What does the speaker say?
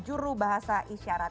juru bahasa isyarat